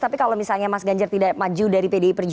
tapi kalau misalnya mas ganjar tidak maju dan tidak menang